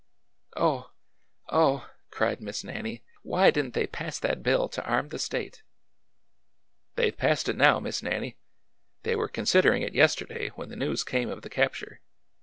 "Oh! oh!'' cried Miss Nannie. ''Why didn't they pass that bill to arm the State !"" They 've passed it now. Miss Nannie. They were considering it yesterday when the news came of the cap ture.